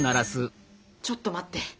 ちょっと待って！